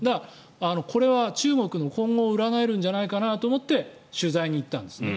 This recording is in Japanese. これは中国の今後を占えるんじゃないかなと思って取材に行ったんですね。